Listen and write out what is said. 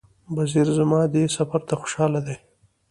بصیر زما دې سفر ته خوشاله دی.